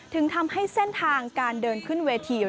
ถึงทำให้เส้นทางการเดินขึ้นเวที